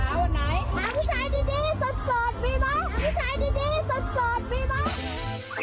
หาผู้ชายดีสดมีไหม